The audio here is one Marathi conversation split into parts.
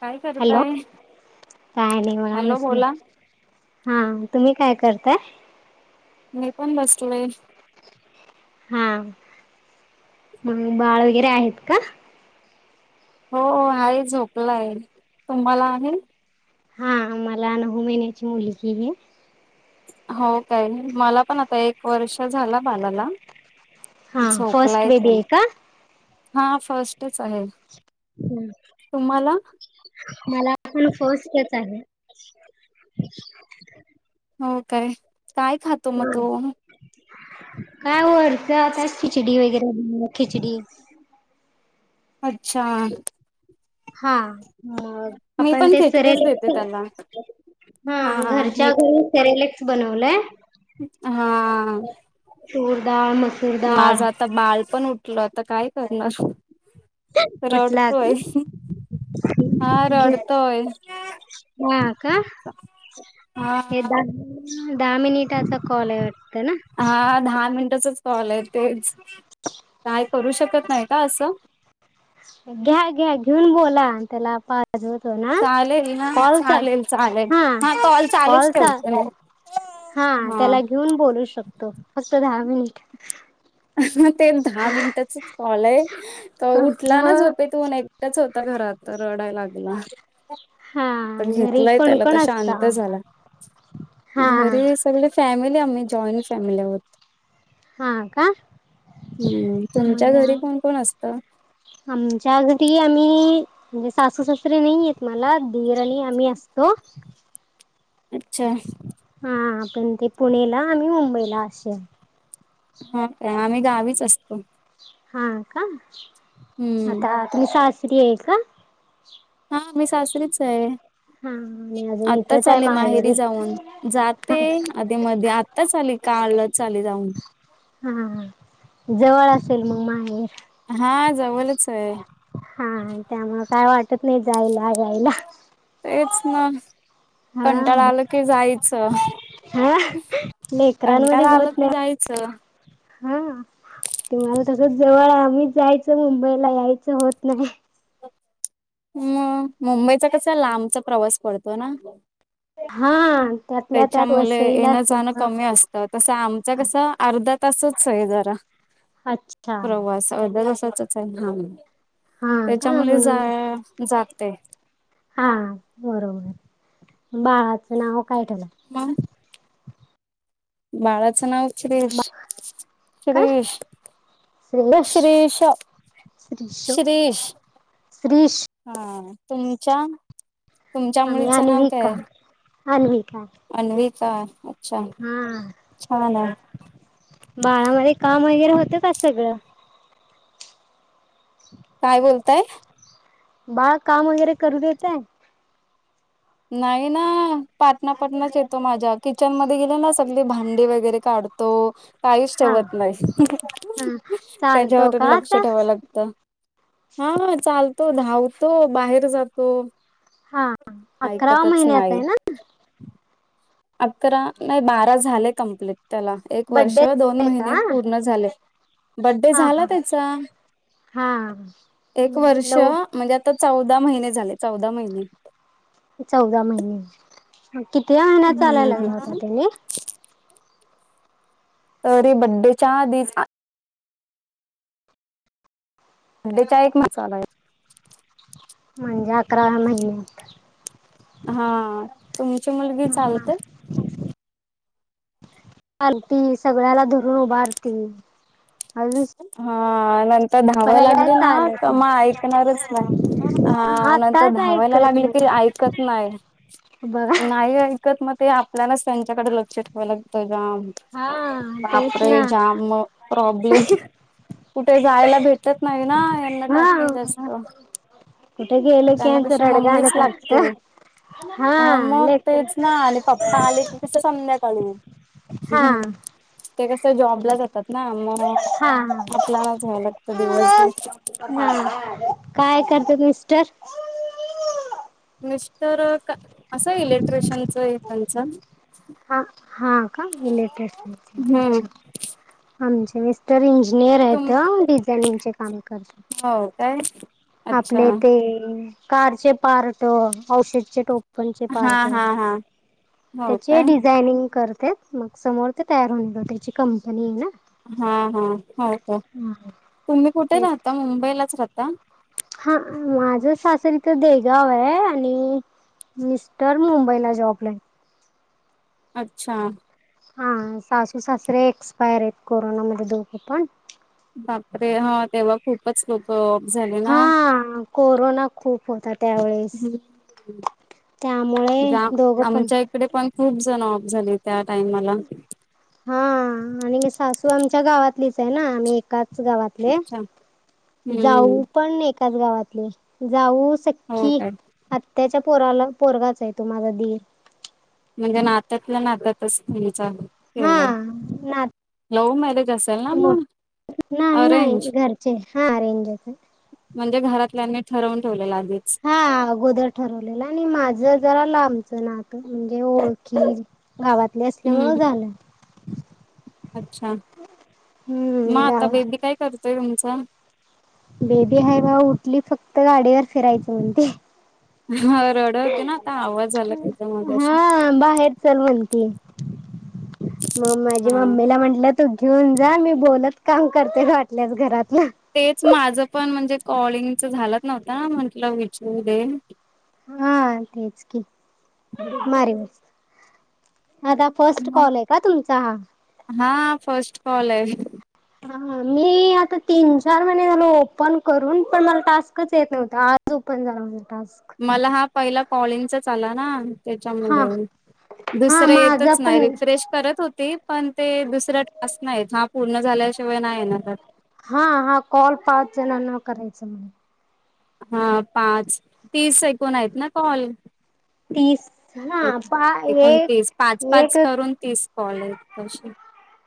काय हॅलो करताय? काय नाही [unintelligible] हॅलो बोला. बसलीये. हा तुम्ही काय करताय. मी पण बसले. हा मग बाळ वगैरे आहेत का. हो आहे झोपला आहे तुम्हाला आहे. हा मला नऊ महिन्याची मुलगी आहे. हो काय मला पण आता एक वर्ष झाला बालाला. हा फर्स्ट झोपलाय बेबी तो आहे का हा फर्स्टच आहे. हम्म. तुम्हाला? मला पण फस्टच आहे. हो काय काय खातो मग तो. काय ओरत आता खिचडी वगैरे बला खिचडी अच्छा. हा मग मी आपण पण ते खिचडीच सरेल देते त्याला. हा घरच्या घरी सेरेलेक्स बनवलंय. हा. तुर दाळ म्ह माझं आता बाळ पण उठल आता काय करणार. बटला रडतोय हा घे रडतोय. हा का. हा दहा मिनिटाचा कॉल आहे वाटत ना. हा दहा मिनिटाचाच कॉल आहे तेच काय करू शकत नाही का असं. घ्या घ्या घेऊन बोला त्याला पा जतो ना चालेल ना कॉलचा चालेल चालेल हा कॉल चालूच कॉलचा ठेवते हा त्याला घेऊन बोलू शकतो अस दहा मिनिट. [unintelligible] ते दहा मिनटाचच कॉल आहे. तो उठला ना हा झोपेतुन एकट्याच होता घरात रडाय लागला. हा आता घरी घेतलाय कोण त्याला त कोण असता शांत झाला हा घरीच सगळे फॅमिली आम्ही जॉईंट फॅमिली होत हा का. हम्म तुमच्या घरी मग कोण कोण असतं. आमच्या घरी आम्ही म्हणजे सासू सासरीे नाही येत मला दीर आणि आम्ही असतो. अच्छा. हा पण ते पुणेला आम्ही मुंबईला असे. हा का आम्ही गावीच असतो. हा का हम्म आता तुम्ही सासरी ये का. हा मी सासरीच आहे. हा. आत्ताच आले माहेरी जाऊन. जाते हा आधी मध्ये आत्ताच आली कालच आले जाऊन. हा जवळ असेल मग माहेर. हा जवलंच आहे. हा त्यामुळ काय वाटत नाही जायला यायला. तेच ना हा कंटाळा आलं की जायचं. हा लेकरानमध्ये कंटाळा आलं होत की नाही. जायचं. हा ते मला तसं जवळ आम्ही जायचं मुंबईला यायचं होत नाही. मग मुंबईचा कसा लांबचा प्रवास पडतो ना. हा. त्यातल्या त्यात त्याच्यामुळे वसईला येणं जाणं असल्यामुळं कमी असतात. चा आमचा कस अर्धा तासंच आहे जरा अच्छा प्रवास. अर्धतासासचं आहे हा हा का त्याच्यामुले म्हणून जाया जाते. हा बरोबर मग बाळाचं नाव काय ठेवलं? म बाळाचं नाव श्रीश बा काय श्रीश. श्रेयश श्रीश श्रीश श्रीश. श्रीश हा तुमच्या तुमच्या आम्ही मुलीचं नाव कायय? अन्विका अन्विका. अन्विका. अच्छा हा छान आहे बाळामध्ये काम वगैरे होत का सगळं? काय बोलताय? बाळा काम वगैरे करू देतय? नाही ना पाटणापटणाच येतो माझ्या. किचन मध्ये गेले ना सगली भांडी वगैरे काढतो. काहीच हा ठेवत नाही हं हा हं चालतो त्याच्यावर का लक्ष आता? ठेवाय लाग त हा चालतो धावतो बाहेर जातो. हा अकरा ऐकतच महिन्याचा नाही आहे ना? अकरा नाही बारा झाले कम्प्लीट त्याला एक वर्ष बड्डे दोन आहे का? महिने पूर्ण झाले. बड़्डे हा झाला हा त्याचा हा एक वर्ष लव म्हणजे आता चौदा महिने झाले चौदा महिने. चौदा महिने मग कितव्या महिन्यात चालाय हम्म. लागला होता त्यानी? तरी बर्थडेच्या आधीच आ बड़्डेचा एक म चालायला. म्हणजे अकराव्या महिन्यात. हा तुमची मुलगी चालते? चालती सगळ्याला धरून उभारती. हल्लीच हा नंत धावाय लागली ना चालत का मग ऐकणारच नाही नाही हा नंतर आताच धावायला ऐकत लागली की नाही ऐक कत नाही बघा. नाही ऐक मग ते आपल्यालाच त्यांच्याकडे लक्ष ठेवावं लागतं जाम. हा तेच बापरे ना जाम म प्रॉब्लेम कुठे जायला भेटत नाही ना यांना टाकून हा जास्त. कुठे गेलं की त्यांना यांचं कशी मम्मीच रडगाणच लागते. असतं. हा मग तेच ना आणि पप्पा आले की संध्याकाळी ते हा अ हं कस जॉबला जातात ना मग हा आपल्यालाच घ्यायला लागतं दिवसभर. हा काय करतेत मिस्टर? मिस्टर क असं इलेक्ट्रिशियनंच आहे त्यांचं. आ हा का इलेक्ट्रिशियनचं हम्म अच्छा आमचे मिस्ट तर इंजिनियर तुम आहेेतं डिझाइनिंग चे काम करत हो काय अच्छा आपले ते कारचे पार्ट औषधचे टोपणचे हा पार्ट हा हा हो ते काय डिझायनिंग करतेत मग समोर ते तयार होऊन येत त्याची कंपनी आहे ना. हा हा हो का तुम्ही कुठे ते राहता मुंबईलाच राहता. हा माझं सासरी इथं देगाव आहे आणि मिस्टर मुंबईला जॉबलाईन. अच्छा! हा सासू सासरे एक्सपायर आहेत कोरोना मध्ये दोघं पण बापरे हा तेवघ. खूपच लोक झाले ना. हा कोरोना खूप होता त्यावेेळेस हम्! त्यामुळे दोघ. आमच्या इकडे पण खूप जण ऑप झाले त्या टाइमला- हा आणि सासू आमच्या गावातलीच आहे ना आम्ही एकाच गावात अच्छा हम्म जाऊ पण नाही एकाच गावातले जाऊ हो सखी काय हत्याच्या पोराला पोरगाच आहे तो माझा [inaudible] म्हणजे नात्यातला नात्यातच त्यांच आहे. केय हा नात लव्ह मॅरेज असेल ना मोठ मग. नाही नाही अरेंज घरचे हा अरेंज होत. म्हणजे घरातल्यांनी ठरवून ठेवलेलं आधीच. हा अगोदर ठरवलेलं आणि माझ जरा लांबचं नातं म्हणजे ओळखी. गावातले असल्यामुळे हम्म. झालं. अच्छा मग हम्म आता गावा बेबी काय करतोय तुमचा? बेबी आहे बाबा उठली फक्त गाडीवर फिरायचं म्हणते. हा. हा बाहेर. चलवणती मग माझी हा मम्मीला म्हटल. तू घेऊन जा मी बोलत काम करते वाटल्याच घरातलं तेच माझं पण म्हणजे कॉलिंगच झालंच नव्हता म्हंटलं विचार मध्ये हा तेच की मारी मस्त आता. फर्स्ट मग कॉल आहे का तुमचा हा. हा फस्ट कॉल आहे. मी आता तीन चार महिने झालो ओपन करून पण मला टास्कच येत नव्हता आज. ओपन झालाझ टास्क. मला हा पहिला कॉलिंगचाच आला ना. हा त्याच्यामध्ये हा दुसरं माझा येतच पण नाही रिफ्रेश करत होत. ते पण ते दुसर टास्क नाही हा पूर्ण झाल्याशिवाय नाही आहे ना. हा हा कॉल पाच जणांना करायचा हा पाच तीस सेकंड आहेत ना कॉल तीस हा पा एकूण एक तीस पाच एक पाच करून हा तीस कॉल आहेत तसे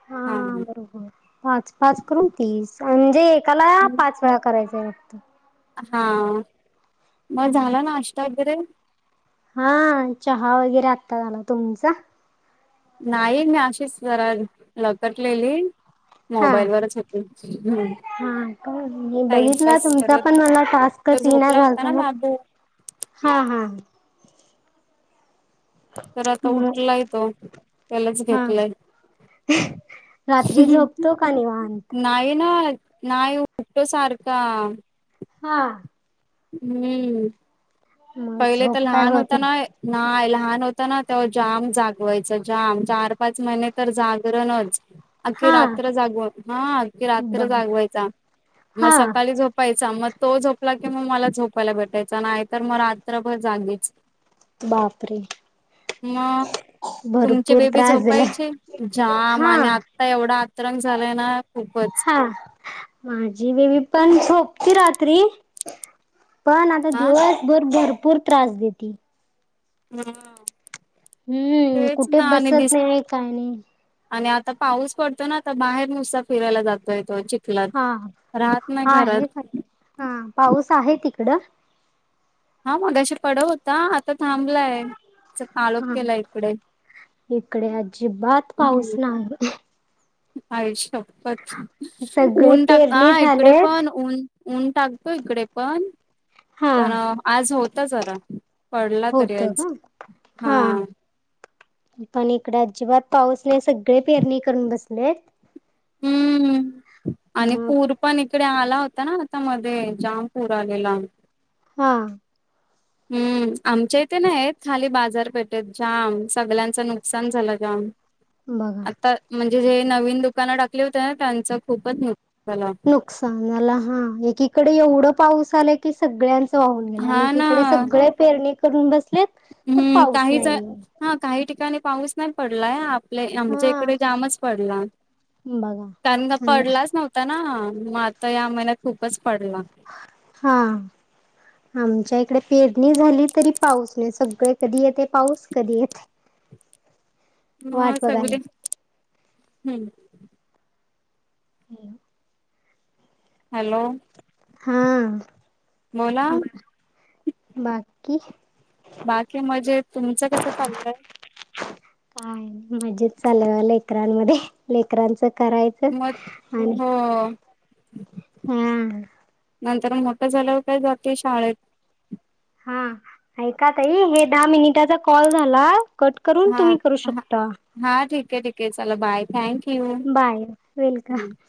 हा बरोबर पाच पाच करून तीस म्हणजे एकाला पाच वेळा करायच हा मग झाला नाष्टा वेगैरे हा चहा वेगैरे आत्ता झाला तुमचा नाही मी अशीच जरा लकटलेली हा मोबाईल वरच होती हा, मी बघितला टाइमपास तुमचा करत पण मला तर टास्कच येईना झोपला होता झालता ना मग बाबू हा हा. तर आता मग उठलाय तो त्यालाच हा घेतलाय. रात्री झोपतो का निवांत? नाही ना नाही, उठतो सारखा. हा. हम्म मग पहिले तर झोप काय लहान होत होता नाही ना. नाही लहान होत ना तेव्हा जाम जागवायचं जाम चार पाच महिने तर जागरणच अख्खी हा रात्र जागवा हा अख्खी रात्र बघ जागवायचा मग हा सकाळी झोप झोपायचा मग तो झोपला की मग मला झोपायला भेटायचा नाही तरर मग रात्रभर जागीच बापरे! मग तुमची भरपूर बेबी त्रास दिला झोपायची, जाम हा आणि आता एवढा आतरंग झालाय ना, खूपच. माझी बेबी पण झोपती रात्री. पण आता हा दिवसभर भरपुर त्रास देती. हा. हम्म, कुठे बसत नाही काय नाही. आणि आता पाऊस पडतो ना, बाहेर नुसता फिरायला जातोय तो चिख लात हा राहत नाही हा आहे का घरात. हा, पाऊस आहे तिकडं? हा, मगाशी पडत होता आता थांबलाय. असं, काळोख हा केलाय इकडे इकडे अजिबात पाऊस हम्म. नाही आई शपथ! सगळे ऊन टाकत पेरणी हा इकडे झालेत पण ऊन ऊन टाकतो, इकडे पण हा. पण आज होता जरा पडला तरी, होत आज हा पण इकडे अजिबात पाऊस नाही, सगळे पेरणी करून बसलेत. हम्म. आणि मग पुर पण इकडे आला होता ना, आता मध्ये जाम पुर आलेला. हा. हम्म आमच्या इथे नाही, खाली बाजारपेठेत जाम सगळ्यांचं नुकसान झालं जाम बघा आता म्हणजे जे नवीन दुकानं टाकली होते ना, त्यांचं खुपच नुकसान झालं नुकसान झालं हा, एकीकडे एवढं पाऊस आला की सगळ्यां वाहून गेले, आणि हा इकडे ना सगळे पेरणी करून बसलेत तर हम्म पाऊस काहीच, नाहीये हा काही ठिकाणी पाऊस नाही पडलाय आमच्या हा इकडे जामच पडला, बघा कारण का आणि पडलाच नव्हता नव्हता ना, मग आता या महिन्यात खुपच पडला हा आमच्या इकडे पेरणी झाली तरी पाऊस नाही, सगळी कधी येतोय पाऊस कधी येते वाट मग बघायला सगळी हम्म ह हॅलो. हा बोला बाकी बाकी मजेत तुमचं कसं चाललंय? काय मजेत चालय बघा लेकरांमध्ये, लेकरांचं करायच मग आणि हो हा. नंतर मोठं झाल्यावर काय जाते शाळेत. हा ऐका ताई हे दहा मिनिटाचा कॉल झाला. कट करून हा तुम्ही करू शकता. हा ठीक आहे, ठीक आहे, चला बाय. थँक्यू. बाय वेलकम हा.